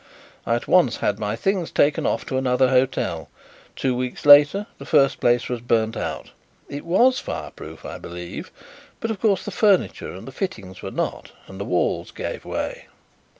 I at once had my things taken off to another hotel. Two weeks later the first place was burnt out. It was fireproof, I believe, but of course the furniture and the fittings were not and the walls gave way."